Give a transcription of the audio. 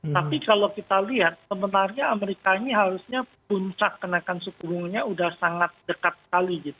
tapi kalau kita lihat sebenarnya amerika ini harusnya puncak kenaikan suku bunganya sudah sangat dekat sekali